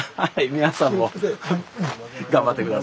皆さんも頑張ってください。